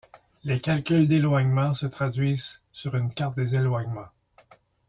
Les calculs d’éloignement se traduisent sur une carte des éloignements.